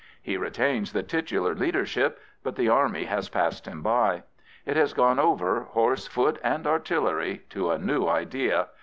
He retains the titular leadership; but the army has passed him by. It has gone over, horse, foot, and artillery, to a new idea.